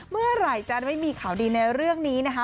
เมื่อไหร่จะได้มีข่าวดีในเรื่องนี้นะคะ